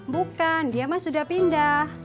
bukan dia mas sudah pindah